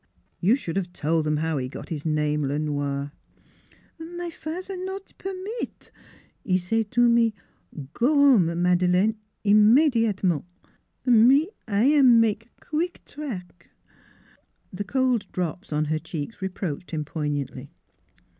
" You should have told them how he got his name Le Noir." " My fa'ter 'e not permit; 'e say to me, 'Go 'ome, Madeleine, immediatement' Me I am make queek track." The cold drops on her cheeks reproached him poignantly.